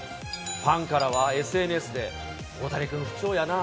ファンからはＳＮＳで、大谷君、不調やな。